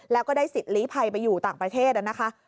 แล้วก็ได้สิทธิ์ลีภัยไปอยู่ต่างประเทศนะคะ